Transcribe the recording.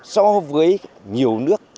so với nhiều nước